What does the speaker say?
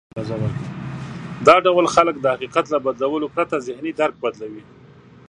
دا ډول خلک د حقيقت له بدلولو پرته ذهني درک بدلوي.